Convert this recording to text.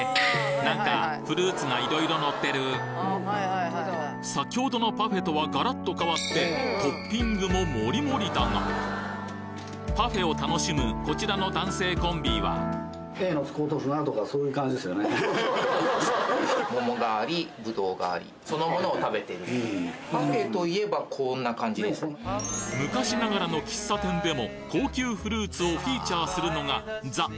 何かフルーツが色々のってる先ほどのパフェとはガラッと変わってトッピングも盛り盛りだがパフェを楽しむこちらの男性コンビは昔ながらの喫茶店でも高級フルーツをフィーチャーするのがザ・岡山だという